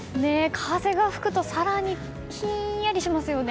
風が吹くと更にひんやりしますよね。